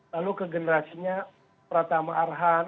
lalu ke generasinya pratama arhan